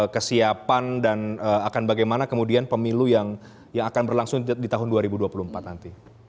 kesiapan dan akan bagaimana kemudian pemilu yang akan berlangsung di tahun dua ribu dua puluh empat nanti